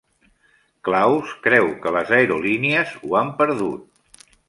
Klaus creu que les aerolínies ho han perdut.